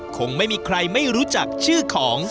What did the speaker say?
คงไม่มีใครไม่รู้จักชื่อของ